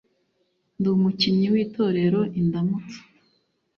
ndi umukinnyi w’itorero indamutsa,